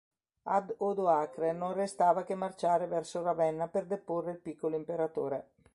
Ad Odoacre non restava che marciare verso Ravenna per deporre il piccolo imperatore.